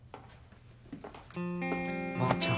ばあちゃん。